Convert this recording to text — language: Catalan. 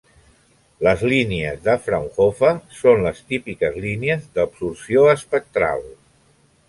Les línies de Fraunhofer són les típiques línies d'absorció espectral.